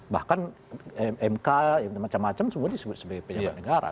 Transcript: bahkan mk macam macam semua disebut sebagai pejabat negara